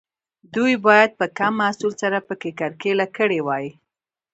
دوی باید په کم محصول سره پکې کرکیله کړې وای.